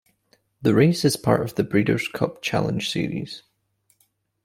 The race is part of the Breeders Cup Challenge series.